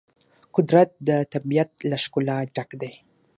قدرت د طبیعت له ښکلا ډک دی.